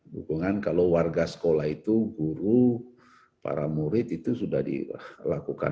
dukungan kalau warga sekolah itu guru para murid itu sudah dilakukan